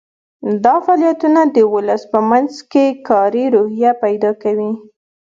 دا فعالیتونه د ولس په منځ کې کاري روحیه پیدا کوي.